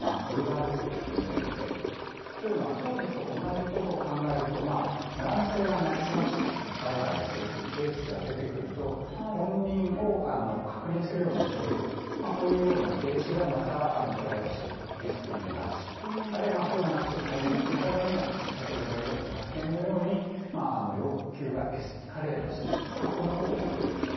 気をつけなければいけない、ということは、当時と同じことを考えると男性が成り済まして売買するというケースが出てくると本人確認をする書類の提示が、またプライバシー、リスクにもなるし、あるいはそうじゃなくて対面といった場合にも先ほどの弁護士の発言のように要求がエスカレートすることも起こりうると。